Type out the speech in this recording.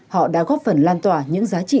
họ đã góp phần lan tỏa những giá trị